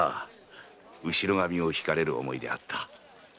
後ろ髪を引かれる思いであった。